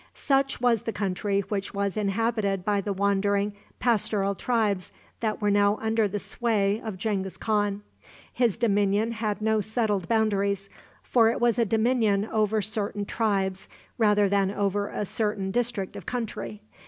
Such was the country which was inhabited by the wandering pastoral tribes that were now under the sway of Genghis Khan. His dominion had no settled boundaries, for it was a dominion over certain tribes rather than over a certain district of country.